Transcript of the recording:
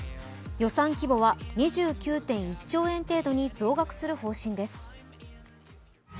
予算規模は２９．１兆円程度に増額する方針です。